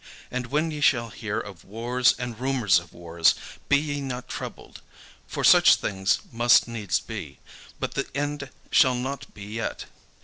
And when ye shall hear of wars and rumours of wars, be ye not troubled: for such things must needs be; but the end shall not be yet.